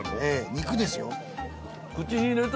肉ですよ。